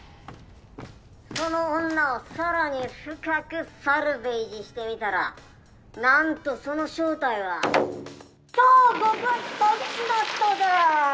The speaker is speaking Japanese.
この女を更に深くサルベージしてみたらなんとその正体は超極悪詐欺師だったぜ！